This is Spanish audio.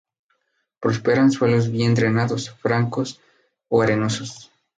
Prospera en suelos bien drenados, francos o arenosos.